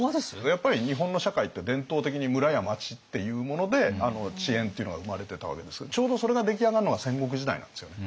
やっぱり日本の社会って伝統的に村や町っていうもので地縁っていうのが生まれてたわけですけどちょうどそれが出来上がるのが戦国時代なんですよね。